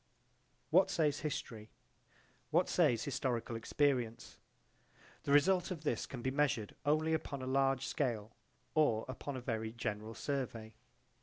What says history? What says historical experience? The result of this can be measured only upon a large scale or upon a very general survey.